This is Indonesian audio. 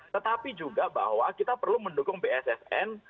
tetapi juga bahwa kita perlu mendukung bssn